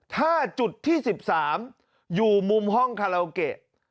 ถ้าจุดที่๑๓อยู่มุมห้องคาราโอเกะ